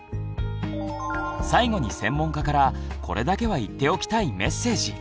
最後に専門家からこれだけは言っておきたいメッセージ。